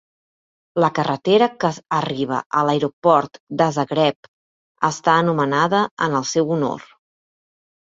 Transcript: La carretera que arriba a l'aeroport de Zagreb està anomenada en el seu honor.